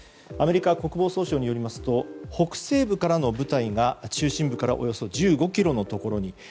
アメリカ国防総省によりますと北西部からの部隊が中心部からおよそ１５ｋｍのところに。